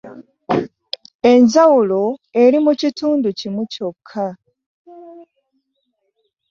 Enjawulo eri mu kintu kimu kyokka.